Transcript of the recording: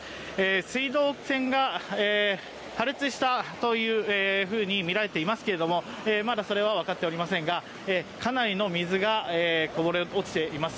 水道栓が破裂したというふうにみられていますけれども、まだ、それは分かっていませんがかなりの水があふれ出ています。